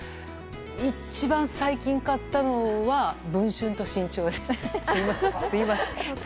一番最近買ったのは「文春」と「新潮」です。